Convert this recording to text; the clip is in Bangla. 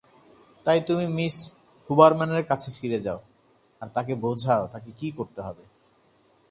তাই তুমি মিস হুবারম্যানের কাছে ফিরে যাও আর তাকে বোঝাও তাকে কী করতে হবে।